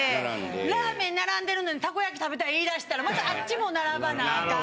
ラーメン並んでるのにたこ焼き食べたい言い出したらまたあっちも並ばなあかん。